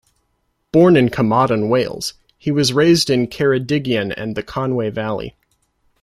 Born in Carmarthen, Wales, he was raised in Ceredigion and the Conwy Valley.